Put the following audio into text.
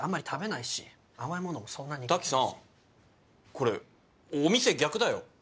これお店逆だよ。